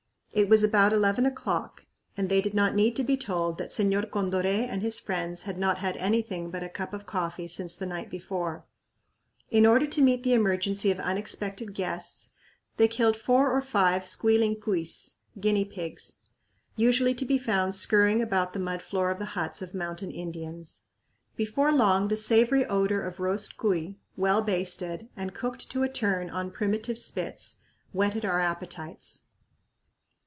It was about eleven o'clock and they did not need to be told that Señor Condoré and his friends had not had anything but a cup of coffee since the night before. In order to meet the emergency of unexpected guests they killed four or five squealing cuys (guinea pigs), usually to be found scurrying about the mud floor of the huts of mountain Indians. Before long the savory odor of roast cuy, well basted, and cooked to a turn on primitive spits, whetted our appetites.